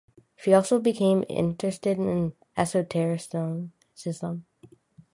She also became interested in Esotericism.